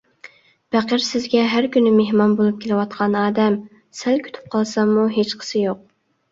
پېقىر سىزگە ھەر كۈنى مېھمان بولۇپ كېلىۋاتقان ئادەم، سەل كۈتۈپ قالساممۇ ھېچقىسى يوق.